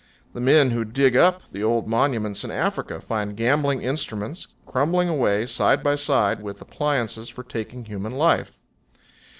The men who dig up the old monuments in Africa find gambling instruments crumbling away side by side with appliances for taking human life.